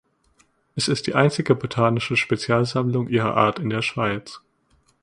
Es ist die einzige botanische Spezialsammlung ihrer Art in der Schweiz.